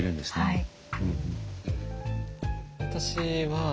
はい。